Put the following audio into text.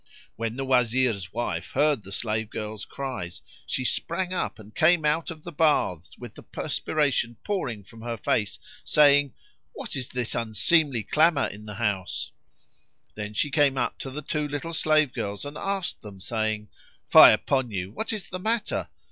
When the Wazir's wife heard the slave girls' cries, she sprang up and came out of the baths with the perspiration pouring from her face, saying, "What is this unseemly clamour in the house[FN#18]?" Then she came up to the two little slave girls and asked them saying, "Fie upon you! what is the matter?"